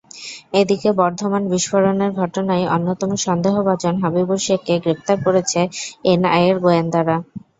এদিকে বর্ধমান বিস্ফোরণের ঘটনায় অন্যতম সন্দেহভাজন হাবিবুর শেখকে গ্রেপ্তার করেছে এনআইএর গোয়েন্দারা।